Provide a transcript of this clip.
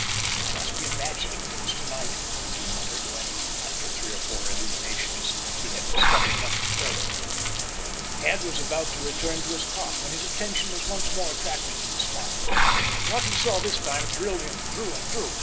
"Humph! I must be imagining things tonight," he muttered, when, after three or four illuminations, he had discovered nothing further. Tad was about to return to his cot when his attention was once more attracted to the spot. And what he saw this time thrilled him through and through.